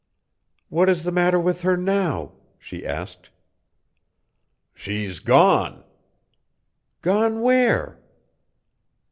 "What is the matter with her now?" she asked. "She's gone!" "Gone where?"